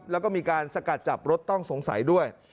แล้วก็มีการสกัดจับรถต้องสงสัยด้วย